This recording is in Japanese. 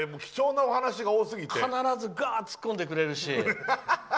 必ずツッコんでくれるし。